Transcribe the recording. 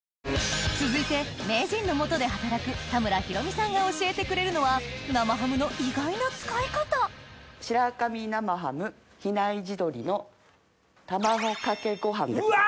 続いて名人の下で働く田村ひろみさんが教えてくれるのは生ハムの意外な使い方白神生ハム比内地鶏の卵かけご飯でございます。